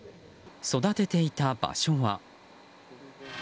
育てていた場所は。